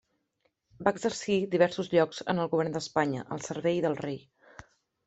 Va exercir diversos llocs en el govern d'Espanya al servei del rei.